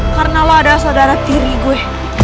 karena lo adalah saudara tiri gue